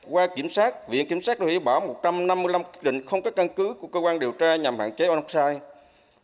qua kiểm soát viện kiểm soát đã hủy bảo một trăm năm mươi năm quyết định không có căn cứ của cơ quan điều tra nhằm hạn chế on site